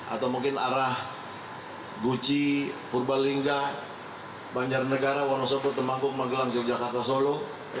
atau mungkin arah guci purbalingga banjarnegara wonosobo temanggung magelang yogyakarta solo